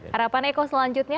harapan eko selanjutnya